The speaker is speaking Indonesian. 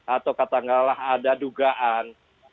atau katakanlah ada dugaan